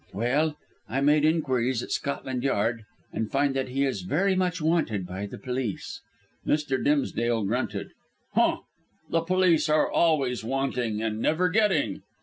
"Well, I made enquiries at Scotland Yard, and find that he is very much wanted by the police." Mr. Dimsdale grunted. "Humph! The police are always wanting and never getting."